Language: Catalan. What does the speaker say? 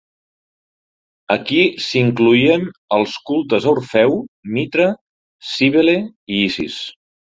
Aquí s"hi incloïen els cultes a Orfeu, Mitra, Cíbele i Isis.